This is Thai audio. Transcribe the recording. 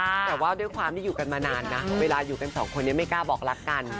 แต่ว่าด้วยความที่อยู่กันมานานนะเวลาอยู่กันสองคนนี้ไม่กล้าบอกรักกัน